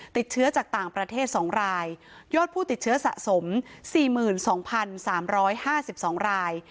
ติดเชื้อจากต่างประเทศ๒รายยอดผู้ติดเชื้อสะสม๔๒๓๕๒ราย